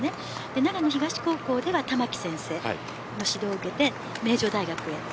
長野東高校ではタマキ先生の指導を受けて名城大学へ。